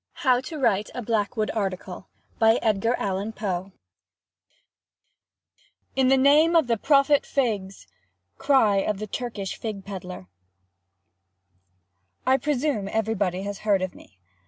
HOW TO WRITE A "BLACKWOOD" ARTICLE "In the name of the Prophet—figs!!" —Cry of the Turkish fig peddler. I presume everybody has heard of me.